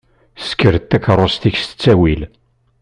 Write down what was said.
Sker takaṛust-ik s ttawil?